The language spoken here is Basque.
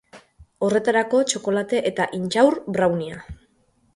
Horretarako, txokolate eta intxaur browniea.